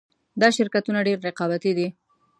دا شرکتونه ډېر رقابتي دي